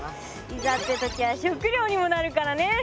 いざって時は食料にもなるからね。